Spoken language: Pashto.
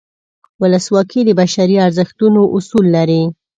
ولسواکي د بشري ارزښتونو اصول لري.